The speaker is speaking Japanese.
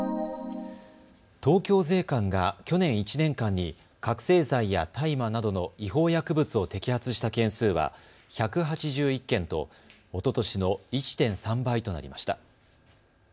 東京税関が去年１年間に覚醒剤や大麻などの違法薬物を摘発した件数は１８１件とおととしの１．３倍となりました。